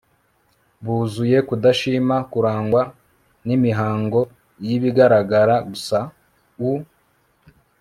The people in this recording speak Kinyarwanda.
buzuye kudashima kurangwa nimihango yibigaragara gusa u